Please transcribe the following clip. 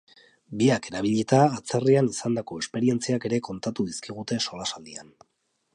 Biak erabilita atzerrian izandako esperientziak ere kontatu dizkigute solasaldian.